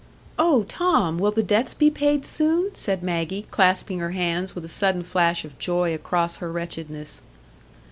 "Oh, Tom, will the debts be paid soon?" said Maggie, clasping her hands, with a sudden flash of joy across her wretchedness.